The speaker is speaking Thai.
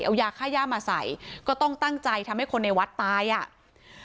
เอายาค่าย่ามาใส่ก็ต้องตั้งใจทำให้คนในวัดตายอ่ะ